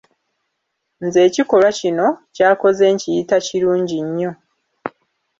Nze ekikolwa kino ky'akoze nkiyita kirungi nnyo.